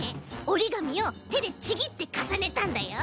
おりがみをてでちぎってかさねたんだよ。